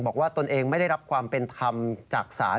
ตนเองไม่ได้รับความเป็นธรรมจากศาล